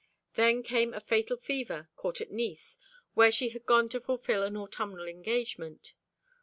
Then came a fatal fever, caught at Nice, where she had gone to fulfil an autumnal engagement.